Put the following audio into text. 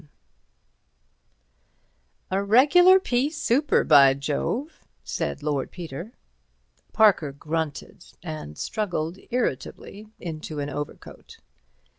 XI "A regular pea souper, by Jove," said Lord Peter. Parker grunted, and struggled irritably into an overcoat.